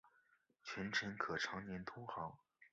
全程可常年通航。